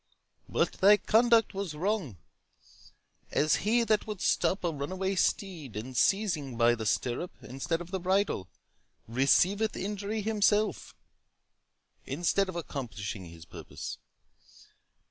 But thy conduct was wrong; as he that would stop a runaway steed, and seizing by the stirrup instead of the bridle, receiveth injury himself, instead of accomplishing his purpose.